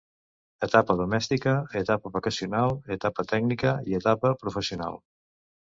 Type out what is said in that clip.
Etapa domèstica, Etapa vocacional, Etapa tècnica i Etapa professional.